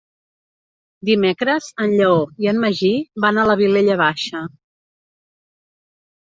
Dimecres en Lleó i en Magí van a la Vilella Baixa.